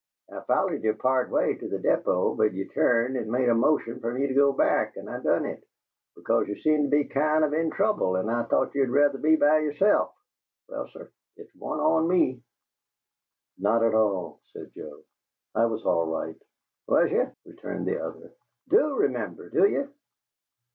I follered ye part way to the deepo, but ye turned and made a motion fer me to go back, and I done it, because ye seemed to be kind of in trouble, and I thought ye'd ruther be by yerself. Well, sir, it's one on me!" "Not at all," said Joe. "I was all right." "Was ye?" returned the other. "DO remember, do ye?"